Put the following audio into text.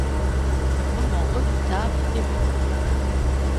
Le moment redoutable était venu.